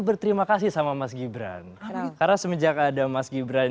berterima kasih sama mas gibran karena semenjak ada mas gibran